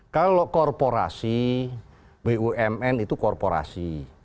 kalau korporasi bumn itu korporasi